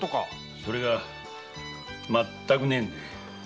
それがまったくねえんで。